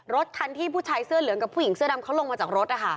รถคันที่ผู้ชายเสื้อเหลืองกับผู้หญิงเสื้อดำเขาลงมาจากรถนะคะ